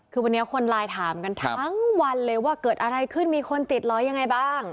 คือวันนี้คนไลน์ถามกันทั้งวันเลยว่าเกิดอะไรขึ้นมีคนติดล้อยังไงบ้าง